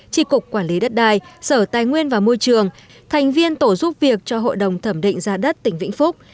tri cục quản lý đất đai sở tài nguyên và môi trường thành viên tổ giúp việc cho hội đồng thẩm định giá đất tỉnh vĩnh phúc